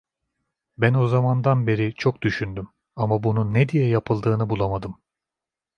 Ben o zamandan beri çok düşündüm, ama bunun ne diye yapıldığını bulamadım.